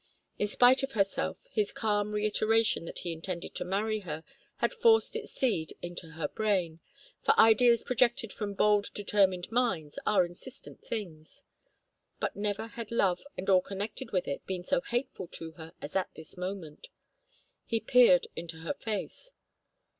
In spite of herself his calm reiteration that he intended to marry her had forced its seed into her brain, for ideas projected from bold determined minds are insistent things. But never had love and all connected with it been so hateful to her as at this moment. He peered into her face.